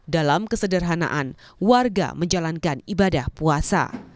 dalam kesederhanaan warga menjalankan ibadah puasa